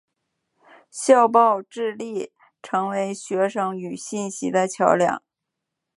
校报致力成为学生与信息的桥梁。